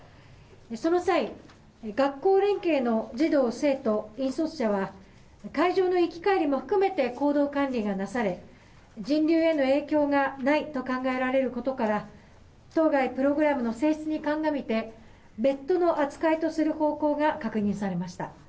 その際、学校連携の児童・生徒、引率者は、会場の行き帰りも含めて行動管理がなされ、人流への影響がないと考えられることから、当該プログラムの性質に鑑みて、別途の扱いとする方向が確認されました。